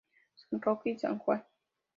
San Roque y San Juan.